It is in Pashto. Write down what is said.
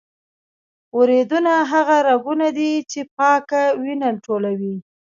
وریدونه هغه رګونه دي چې پاکه وینه ټولوي.